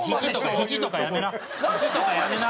ひじとかやめな！